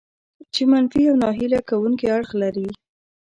چې منفي او ناهیله کوونکي اړخ لري.